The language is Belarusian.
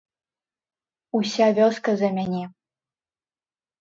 Уся вёска за мяне.